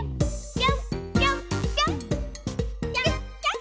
ぴょんぴょんぴょん！